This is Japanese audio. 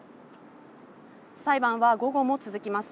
裁判は午後も続きます。